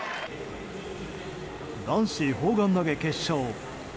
男子砲丸投げ決勝。